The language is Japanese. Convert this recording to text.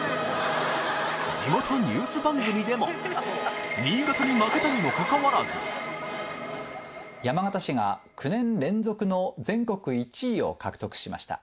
地元ニュース番組でも新潟に負けたにもかかわらず山形市が９年連続の全国１位を獲得しました。